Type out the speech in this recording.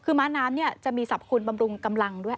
คือม้าน้ำจะมีสรรพคุณบำรุงกำลังด้วย